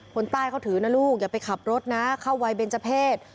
คนใต้เขาถือนะลูกอย่าไปขับรถนะเข้าวัยเบนเจอร์เพศ